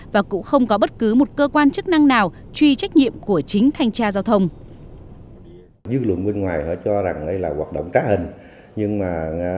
và cũng không có bất cứ một cơ quan chức năng nào truy trách nhiệm của chính thanh tra giao thông